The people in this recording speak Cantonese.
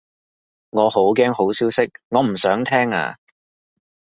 我好驚好消息，我唔想聽啊